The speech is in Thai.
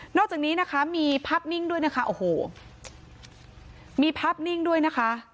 อกจากนี้นะคะมีภาพนิ่งด้วยนะคะโอ้โหมีภาพนิ่งด้วยนะคะ